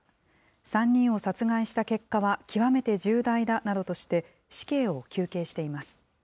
３人を殺害した結果は極めて重大だなどとして、死刑を求刑しています。